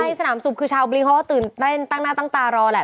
ใช่สนามสุกคือชาวบลิ้งเขาก็ตื่นเต้นตั้งหน้าตั้งตารอแหละ